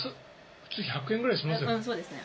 普通１００円ぐらいしますよね。